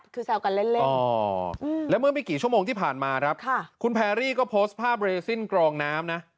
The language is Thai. คือแซวกันเล่นแล้วเมื่อไม่กี่ชั่วโมงที่ผ่านมาครับคุณแพรรี่ก็โพสต์ภาพเรซินกรองน้ำนะ